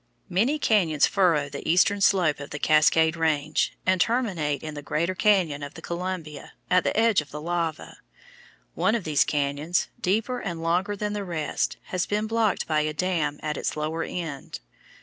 Many cañons furrow the eastern slope of the Cascade Range, and terminate in the greater cañon of the Columbia at the edge of the lava. One of these cañons, deeper and longer than the rest, has been blocked by a dam at its lower end.